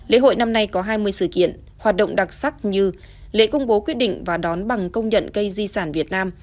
lễ hội năm nay có hai mươi sự kiện hoạt động đặc sắc như lễ công bố quyết định và đón bằng công nhận cây di sản việt nam